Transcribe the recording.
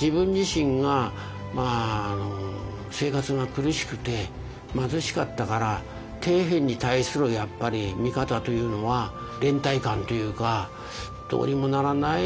自分自身が生活が苦しくて貧しかったから底辺に対する見方というのは連帯感というかどうにもならない